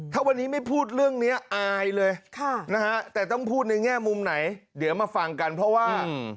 ถ้าวันนี้ไม่พูดเรื่องนี้อายเลยแต่ต้องพูดในแง่มุมไหนเดี๋ยวมาฟังกันเพราะว่า